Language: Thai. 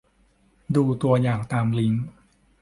ดูตัวอย่างตามลิงก์